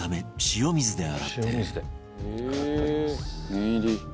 念入り」